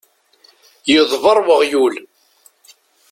Yeḍbeṛ weɣyul.